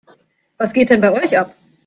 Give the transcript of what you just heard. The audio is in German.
Was geht denn bei euch ab?